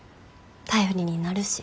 頼りになるし。